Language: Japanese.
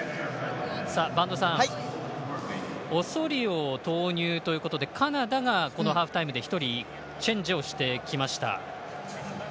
播戸さん、オソリオを投入ということでカナダがこのハーフタイムで１人チェンジをしてきました。